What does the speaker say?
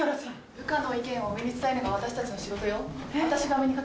部下の意見を上に伝えるのが私たちの仕事よ。